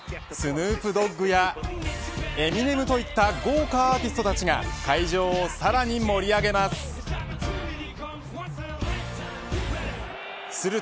スヌープ・ドッグやエミネムといった豪華アーティストたちが会場をさらに盛り上げます。